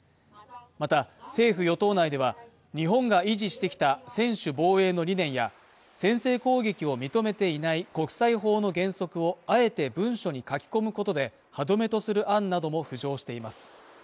また政府・与党内では日本が維持してきた専守防衛の理念や先制攻撃を認めていない国際法の原則をあえて文書に書き込むことで歯止めとする案なども浮上しています